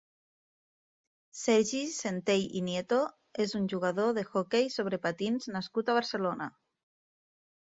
Sergi Centell i Nieto és un jugador d'hoquei sobre patins nascut a Barcelona.